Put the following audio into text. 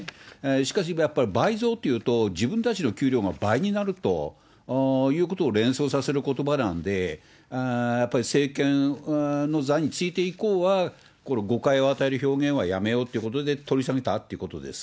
しかしやっぱり倍増というと、自分たちの給料が倍になるということを連想させることばなんで、やっぱり政権の座に就いて以降は、誤解を与える表現はやめようってことで取り下げたっていうことです。